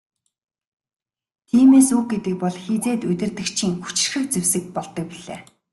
Тиймээс үг гэдэг бол хэзээд удирдагчийн хүчирхэг зэвсэг болдог билээ.